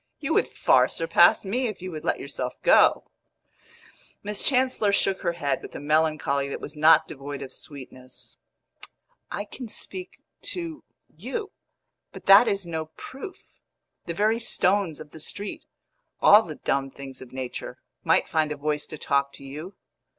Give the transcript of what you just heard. "You would far surpass me if you would let yourself go." Miss Chancellor shook her head with a melancholy that was not devoid of sweetness. "I can speak to you; but that is no proof. The very stones of the street all the dumb things of nature might find a voice to talk to you.